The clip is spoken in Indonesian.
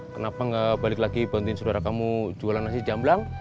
kenapa nggak balik lagi bantuin saudara kamu jualan nasi jamblang